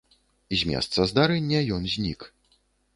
З месца здарэння ён знік.